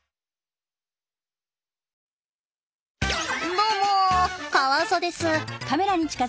どうもカワウソです。